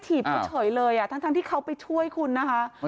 ถีบเขาเฉยเลยทั้งที่เขาไปช่วยคุณนะคะ